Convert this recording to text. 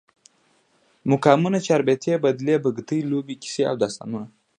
مقامونه، چاربیتې، بدلې، بګتی، لوبې، کیسې او داستانونه